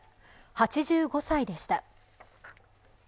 ８５歳でした。